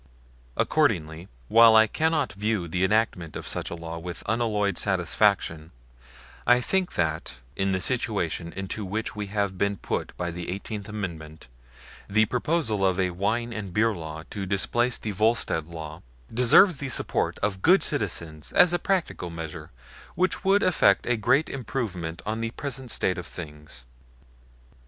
Accordingly, while I cannot view the enactment of such a law with unalloyed satisfaction, I think that, in the situation into which we have been put by the Eighteenth Amendment, the proposal of a wine and beer law to displace the Volstead law deserves the support of good citizens as a practical measure which would effect a great improvement on the present state of things.